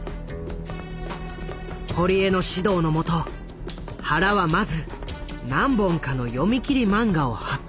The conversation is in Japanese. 堀江の指導のもと原はまず何本かの読み切り漫画を発表。